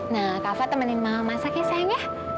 nah kava temenin mama masak ya sayang ya